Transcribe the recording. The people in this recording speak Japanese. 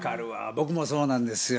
僕もそうなんですよ。